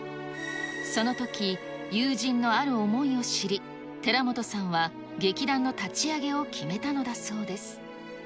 そのとき、友人のある思いを知り、寺本さんは劇団の立ち上げを決めたのだそうです。